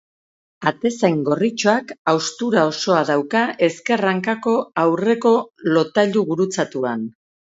Atezain gorritxoak haustura osoa dauka ezker hankako aurreko lotailu gurutzatuan.